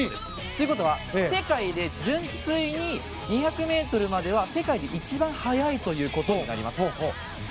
ということは世界で純粋に２００ｍまでは世界で一番速いということになります。